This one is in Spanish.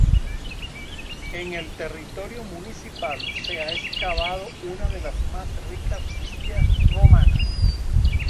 En el territorio municipal se ha excavado una de las más ricas villas romanas.